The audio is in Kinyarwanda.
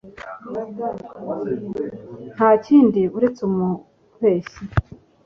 Nta kindi uretse umubeshyi